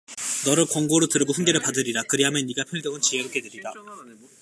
너는 권고를 들으며 훈계를 받으라 그리하면 네가 필경은 지혜롭게 되리라